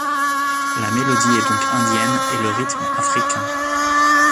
La mélodie est donc indienne et le rythme africain.